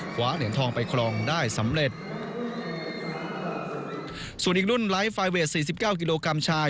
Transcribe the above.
ขวาเหรียญทองไปครองได้สำเร็จส่วนอีกรุ่นไลฟ์ไฟเวทสี่สิบเก้ากิโลกรัมชาย